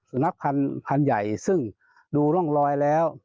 นักพันธุ์ใหญ่ซึ่งดูร่องรอยแล้ว